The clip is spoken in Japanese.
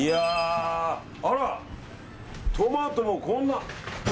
あら、トマトもこんな。